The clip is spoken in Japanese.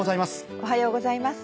おはようございます。